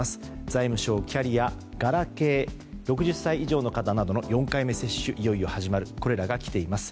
財務省キャリアガラケー６０歳以上の方などの４回目接種いよいよ始まるなどです。